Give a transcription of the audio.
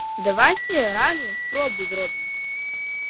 Давайце разам спробу зробім.